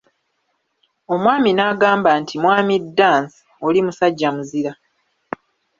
Omwami n'agamba nti Mw: Dance, oli musajja muzira.